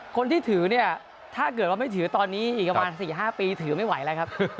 คนที่ถือเนี่ยถ้าเกิดว่าไม่ถือตอนนี้อีกประมาณ๔๕ปีถือไม่ไหวแล้วครับ